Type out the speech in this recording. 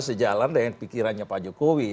sejalan dengan pikirannya pak jokowi